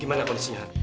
gimana kondisinya han